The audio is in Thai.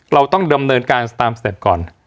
เราต้องดำเนินการตามสเต็ปก่อน